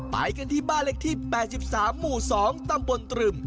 ไปกันที่บ้านเล็กที่๘๓หมู่๒ตำบลตรึม